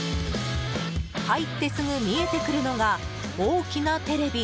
入ってすぐ見えてくるのが大きなテレビ。